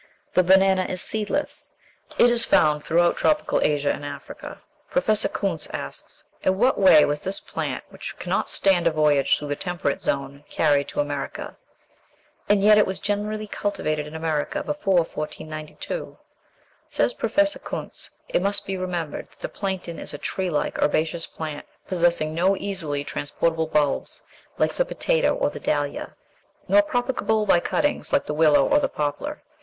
The banana is seedless. It is found throughout tropical Asia and Africa. Professor Kuntze asks, "In what way was this plant, which cannot stand a voyage through the temperate zone, carried to America?" And yet it was generally cultivated in America before 1492. Says Professor Kuntze, "It must be remembered that the plantain is a tree like, herbaceous plant, possessing no easily transportable bulbs, like the potato or the dahlia, nor propagable by cuttings, like the willow or the poplar.